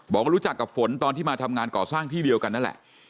บอกว่ารู้จักกับฝนตอนที่มาทำงานก่อสร้างที่เดียวกันนั่นแหละ